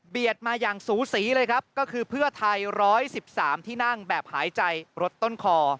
มาอย่างสูสีเลยครับก็คือเพื่อไทย๑๑๓ที่นั่งแบบหายใจรถต้นคอ